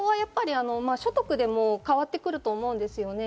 所得でも変わってくると思うんですよね。